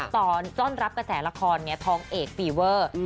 ตอนรับกระแสละครทองเอกฟีเวอร์